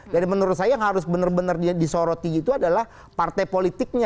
dan menurut saya yang harus benar benar disoroti itu adalah partai politiknya